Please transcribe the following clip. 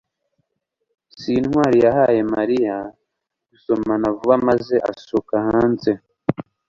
s] ntwali yahaye mariya gusomana vuba maze asohoka hanze